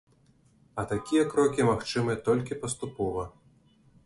А такія крокі магчымыя толькі паступова.